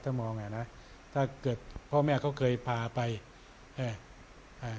ถ้ามองอ่ะนะถ้าเกิดพ่อแม่เขาเคยพาไปอ่า